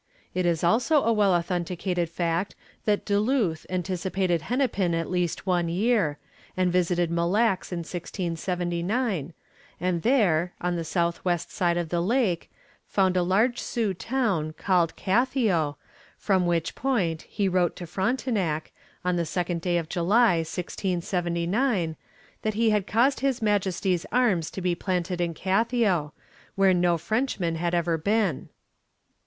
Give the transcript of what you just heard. It is also a well authenticated fact that Du Luth anticipated Hennepin at least one year, and visited Mille Lacs in 1679, and there, on the southwest side of the lake, found a large Sioux town, called Kathio, from which point he wrote to Frontenac, on the second day of July, 1679, that he had caused his majesty's arms to be planted in Kathio, where no Frenchman had ever been.